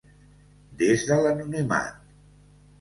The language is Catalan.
Des de l'anonimat.